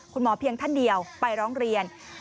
เพียงท่านเดียวไปร้องเรียน